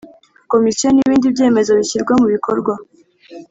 Komisiyo n ibindi byemezo bishyirwa mubikorwa